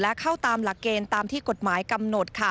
และเข้าตามหลักเกณฑ์ตามที่กฎหมายกำหนดค่ะ